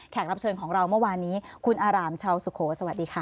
รับเชิญของเราเมื่อวานนี้คุณอารามชาวสุโขสวัสดีค่ะ